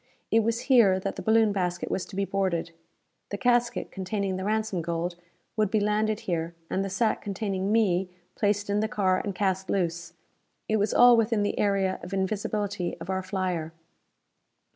It was here that the balloon basket was to be boarded. The casket containing the ransom gold would be landed here, and the sack containing me placed in the car and cast loose. It was all within the area of invisibility of our flyer.